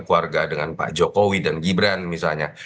keluarga dengan pak jokowi dan gibran misalnya